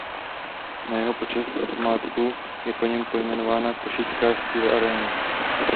Na jeho počest a památku je po něm pojmenována košická Steel Aréna.